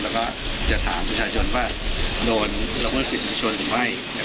แล้วก็จะถามผู้ชายชนว่าโดนละเมิดสิทธิ์ชนไม่